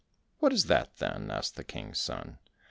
"What is that, then?" asked the King's son.